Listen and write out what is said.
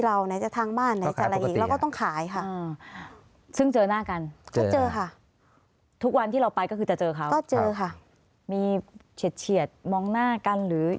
อย่าให้มองเลยดิไม่ได้มองค่ะ